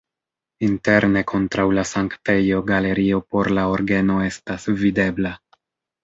Interne kontraŭ la sanktejo galerio por la orgeno estas videbla.